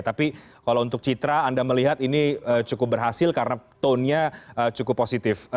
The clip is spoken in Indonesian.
tapi kalau untuk citra anda melihat ini cukup berhasil karena tone nya cukup positif